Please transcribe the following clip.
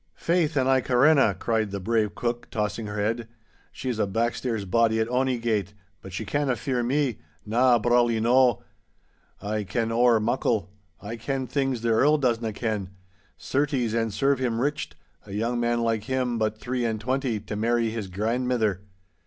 'Faith, an' I carena,' cried the brave cook, tossing her head, 'she is a backstairs body at ony gate, but she canna fear me—na, brawly no'. I ken ower muckle. I ken things the Earl doesna ken. Certes an' serve him richt—a young man like him—but three an' twenty, to mairry his grandmither.